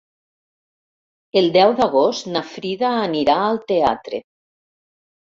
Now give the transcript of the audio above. El deu d'agost na Frida anirà al teatre.